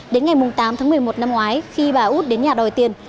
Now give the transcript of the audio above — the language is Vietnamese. đến ngày tám tháng một mươi một năm ngoái khi bà út đến nhà đòi tiền